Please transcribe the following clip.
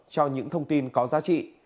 cho những thông tin có giá trị